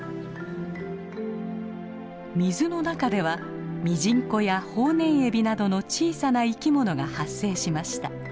水の中ではミジンコやホウネンエビなどの小さな生き物が発生しました。